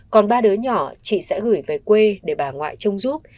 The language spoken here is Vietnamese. còn ba đứa nhỏ chị sẽ gửi về quê để bà ngoại trông giúp